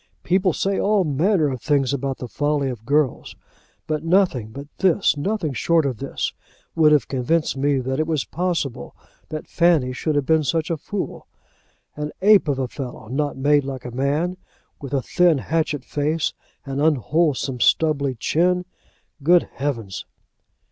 People say all manner of things about the folly of girls; but nothing but this, nothing short of this, would have convinced me that it was possible that Fanny should have been such a fool. An ape of a fellow, not made like a man, with a thin hatchet face, and unwholesome stubbly chin. Good heavens!"